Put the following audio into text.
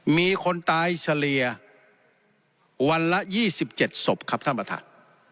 มีคนตายเฉลี่ยวันละ๒๗ศพครับท่านประธาน